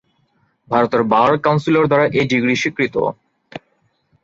ভারতের bar council দ্বারা এই ডিগ্রী স্বীকৃত।